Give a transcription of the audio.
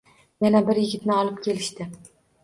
Yana bir yigitni olib kelishdi